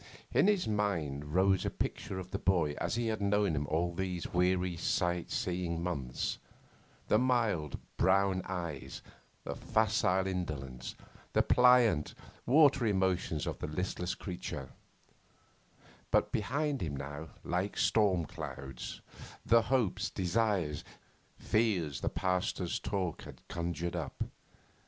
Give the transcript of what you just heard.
In his mind rose a picture of the boy as he had known him all these weary, sight seeing months the mild brown eyes, the facile indolence, the pliant, watery emotions of the listless creature, but behind him now, like storm clouds, the hopes, desires, fears the Pasteur's talk had conjured up.